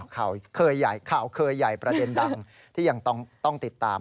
ข่าวเคยใหญ่ข่าวเคยใหญ่ประเด็นดังที่ยังต้องติดตาม